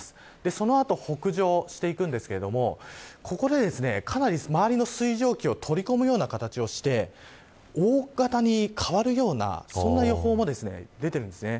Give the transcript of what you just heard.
この後、北上していくんですがかなり周りの水蒸気を取り込むような形にして大型に変わるようなそんな予報も出ているんです。